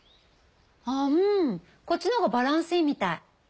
うんこっちのほうがバランスいいみたい。